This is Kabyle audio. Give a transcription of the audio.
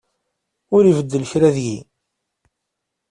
Ur ibeddel kra deg-i.